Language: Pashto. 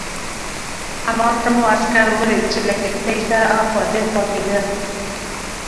همالته مو عسکر ولید چې له کښتۍ سره اخوا دیخوا کېده.